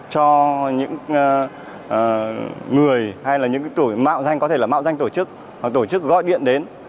cho những người hay là những tội mạo danh có thể là mạo danh tổ chức hoặc tổ chức gọi điện đến